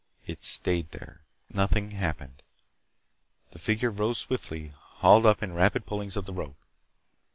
It stayed there. Nothing happened. The figure rose swiftly, hauled up in rapid pullings of the rope.